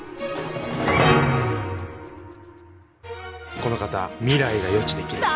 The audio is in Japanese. この方未来が予知できるんだ。